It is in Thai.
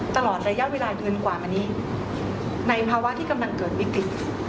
ตลอดระยะเวลาเดือนกว่ามานี้ในภาวะที่กำลังเกิดวิกฤต